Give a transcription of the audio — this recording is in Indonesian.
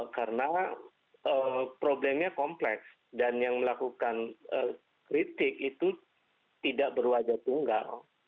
karena problemnya kompleks dan yang melakukan kritik itu tidak berwajah tunggal